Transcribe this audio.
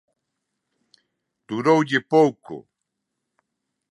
Duroulle pouco.